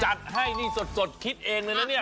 จัดให้นี่สดคิดเองเลยนะเนี่ย